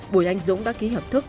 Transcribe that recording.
bùi anh dũng đã ký hợp thức